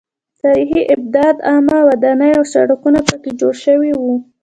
تاریخي ابدات عامه ودانۍ او سړکونه پکې جوړ شوي وو.